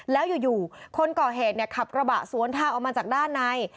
แล้วอยู่คนก่อเหตุขับกระบะสวนทางออกมาจากด้านใน